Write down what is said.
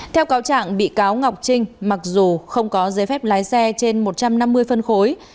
theo cáo trạng bị cáo ngọc trinh mặc dù không có giấy phép lái xe trên một trăm năm mươi phân khối